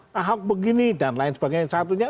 tahap begini dan lain sebagainya satunya